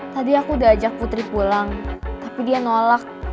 tadi aku udah ajak putri pulang tapi dia nolak